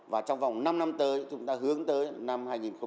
và trong vòng năm năm tới chúng ta hướng tới năm hai nghìn một mươi bảy